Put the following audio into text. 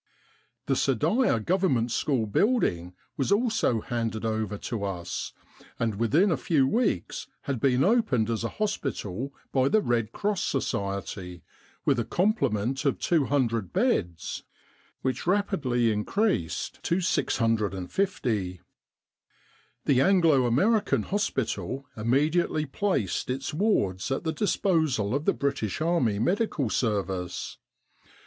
The Saidieh Government School building was also handed over to us, and within a few weeks had been opened as a hospital by the Red Cross Society with a complement of 200 beds which rapidly increased to 26 Egypt and the Great War 650. The Anglo American Hospital immediately placed its wards at the disposal of the British Army Medical Service.